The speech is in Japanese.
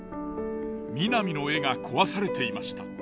みなみの絵が壊されていました。